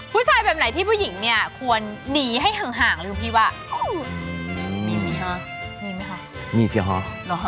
ผู้ชายแบบไหนที่ผู้หญิงเนี่ยควรหนีให้ห่างเริ่มที่ว่า